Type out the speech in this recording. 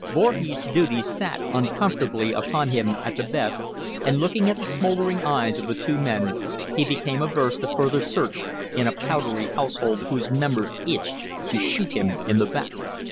Voorhees's duties sat uncomfortably upon him at the best, and, looking at the smouldering eyes of the two men, he became averse to further search in a powdery household whose members itched to shoot him in the back.